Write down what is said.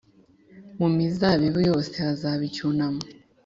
Mu mizabibu yose hazaba icyunamo